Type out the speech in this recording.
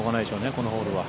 このホールは。